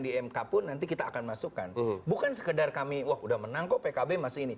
di mk pun nanti kita akan masukkan bukan sekedar kami wah udah menang kok pkb masih ini